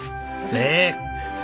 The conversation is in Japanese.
ねえ。